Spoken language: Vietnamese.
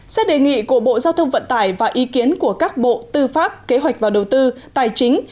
xét đề nghị của bộ giao thông vận tải và ý kiến của các bộ tư pháp kế hoạch và đầu tư tài chính